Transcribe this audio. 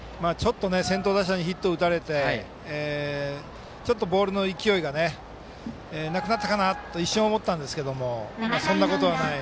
先頭打者にヒットを打たれてちょっとボールの勢いがなくなったかなと一瞬、思ったんですけれどもそんなことはない。